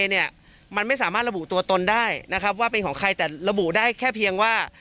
เนี่ยมันไม่สามารถระบุตัวตนได้นะครับว่าเป็นของใครแต่ระบุได้แค่เพียงว่า